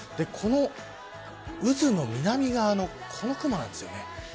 この渦の南側のこの雲なんですよね。